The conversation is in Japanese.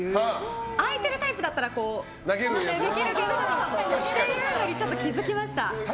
開いているタイプだったらポーンってできるけどっていうのに気付きました。